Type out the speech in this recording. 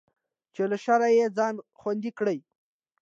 چې له شره يې ځان خوندي کړي.